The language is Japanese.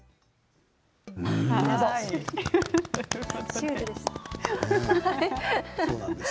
シュールでした。